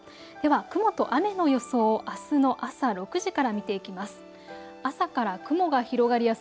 雲と雨の予想をあすの朝６時から見ていきます。